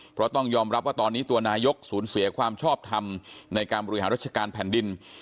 เพราะต้องยอมรับว่าตอนนี้ตัวนายกสูญเสียความชอบทำในการบริหารราชการแผ่นดิน